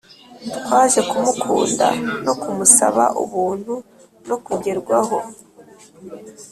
twaje kumukunda no kumusaba ubuntu no kugerwaho.